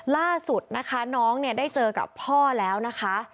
ล่าสุดนะคะน้องเนี่ยได้เจอกับพ่อแล้วนะคะ